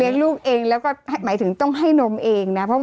ลูกเองแล้วก็หมายถึงต้องให้นมเองนะ